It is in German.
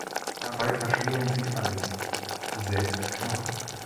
Dabei verschlingen sie alles, selbst Knochen.